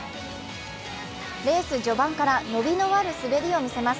レース序盤から伸びのある滑りを見せます。